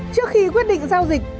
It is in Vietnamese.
trước khi quyết định giao dịch